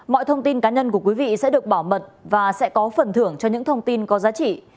mọi thông tin cá nhân của quý vị sẽ được bảo mật và sẽ có phần thưởng cho những thông tin có giá trị